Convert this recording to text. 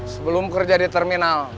sebelum kerja di terminal